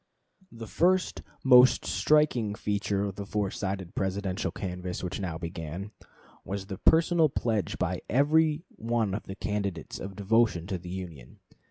The first, most striking feature of the four sided Presidential canvass which now began, was the personal pledge by every one of the candidates of devotion to the Union.